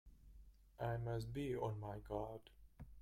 I must be on my guard!